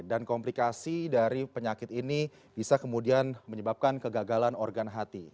dan komplikasi dari penyakit ini bisa kemudian menyebabkan kegagalan organ hati